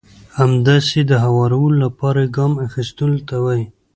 همداسې د هوارولو لپاره يې ګام اخيستلو ته وایي.